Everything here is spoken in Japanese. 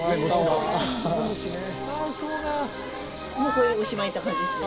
もうこれでおしまいって感じですね。